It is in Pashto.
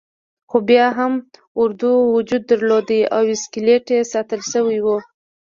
خو بیا هم اردو وجود درلود او اسکلیت یې ساتل شوی وو.